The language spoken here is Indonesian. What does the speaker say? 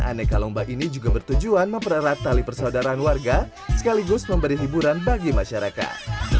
aneka lomba ini juga bertujuan mempererat tali persaudaraan warga sekaligus memberi hiburan bagi masyarakat